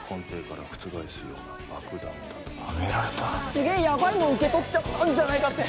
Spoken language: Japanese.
すげえやばいもん受け取っちゃったんじゃないかって。